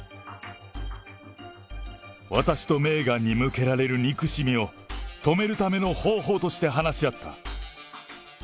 私とメーガンに向けられる憎しみを止めるための方法として話し合った。